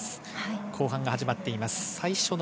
後半が始まっています。